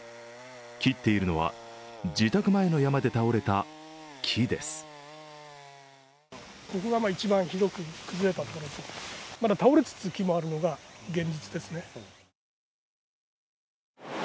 切っているのは自宅前の山で倒れた木です。